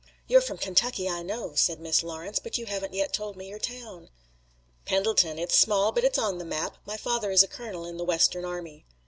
"You're from Kentucky, I know," said Miss Lawrence, "but you haven't yet told me your town." "Pendleton. It's small but it's on the map. My father is a colonel in the Western army."